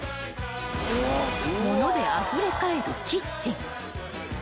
［物であふれ返るキッチン］